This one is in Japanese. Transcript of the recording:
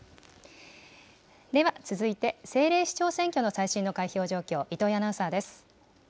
では続いて、政令市長選挙の最新の開票状況、糸井アナウンサーです。